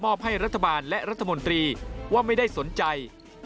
ให้รัฐบาลและรัฐมนตรีว่าไม่ได้สนใจ